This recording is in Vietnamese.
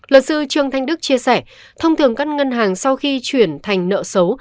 luật sư trương thanh đức chia sẻ thông thường các ngân hàng sau khi chuyển thành nợ xấu